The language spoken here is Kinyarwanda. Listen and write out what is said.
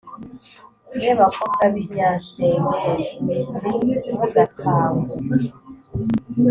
« ye bakobwa b' i nyansengej nri mugaka ngwe